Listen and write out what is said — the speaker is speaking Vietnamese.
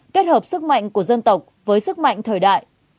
kết hợp sức mạnh của dân tộc với sức mạnh thời đại